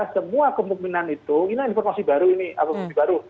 semua kemungkinan itu inilah informasi baru ini informasi baru